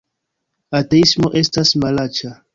Ateismo estas malaĉa